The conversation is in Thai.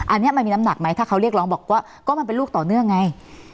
อันนี้มันมีน้ำหนักไหมถ้าเขาเรียกร้องบอกว่าก็มันเป็นลูกต่อเนื่องไง